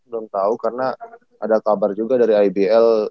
belum tahu karena ada kabar juga dari ibl